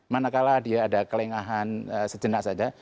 manakala dia ada kelengahan sejenak saja